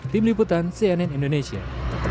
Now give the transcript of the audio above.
tim liputan cnn indonesia